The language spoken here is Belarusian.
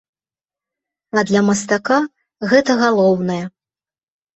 А для мастака гэта галоўнае.